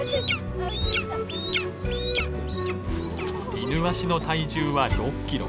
イヌワシの体重は６キロ。